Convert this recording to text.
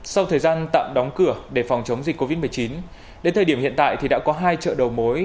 sau thời gian tạm đóng cửa để phòng chống dịch covid một mươi chín đến thời điểm hiện tại thì đã có hai chợ đầu mối